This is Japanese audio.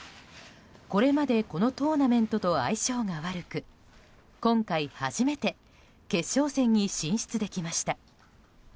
これまで、このトーナメントと相性が悪く今回初めて決勝戦に進出できました。